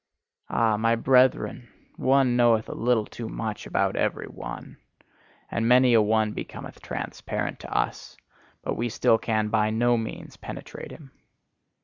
Ah, my brethren! One knoweth a little too much about every one! And many a one becometh transparent to us, but still we can by no means penetrate him.